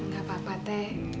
gak apa apa teh